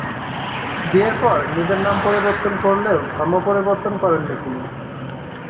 বিয়ের পর নিজের নাম পরিবর্তন করলেও ধর্ম পরিবর্তন করেন নি তিনি।